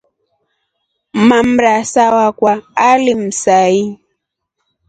Mwamrasa wakwa alimsai.